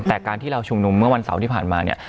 แต่การที่เราชุมนุมเมื่อวันเสาร์ที่ผ่านมาเนี่ย